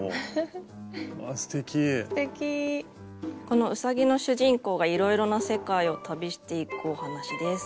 このうさぎの主人公がいろいろな世界を旅していくお話です。